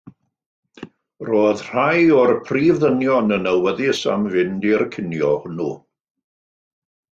Roedd rhai o'r prif ddynion yn awyddus am fynd i'r cinio hwnnw.